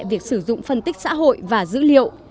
việc sử dụng phân tích xã hội và dữ liệu